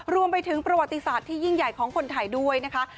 รวมไปถึงประวัติศาสตร์ที่ยิ่งใหญ่ของคนไทยด้วยนะคะ